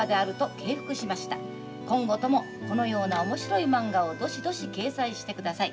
今後ともこのような面白いまんがをどしどし掲載して下さい。